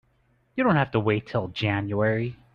You don't have to wait till January.